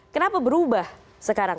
kenapa berubah sekarang